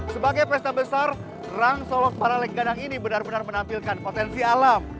sebagai pesta besar rang solos baralegganang ini benar benar menampilkan potensi alam